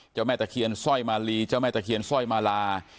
แม่ตะเคียนสร้อยมาลีเจ้าแม่ตะเคียนสร้อยมาลา